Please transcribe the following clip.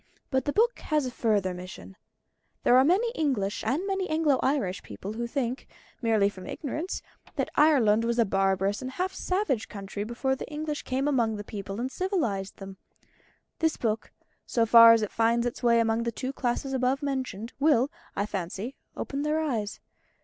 But the book has a further mission. There are many English and many Anglo Irish people who think, merely from ignorance, that Ireland was a barbarous and half savage country before the English came among the people and civilised them. This book, so far as it finds its way among the two classes above mentioned, will, I fancy, open their eyes.